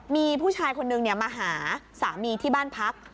มีผู้ชายคนนึงมาหาสามีที่บ้านพัก